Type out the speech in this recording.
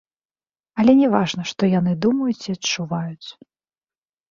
Але не важна, што яны думаюць і адчуваюць.